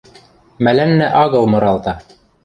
Мӓлӓннӓ агыл мыралта.